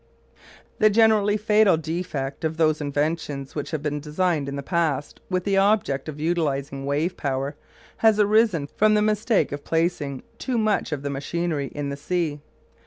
The generally fatal defect of those inventions which have been designed in the past with the object of utilising wave power has arisen from the mistake of placing too much of the machinery in the sea.